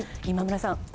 今村さん